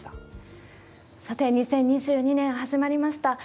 さて、２０２２年、始まりました。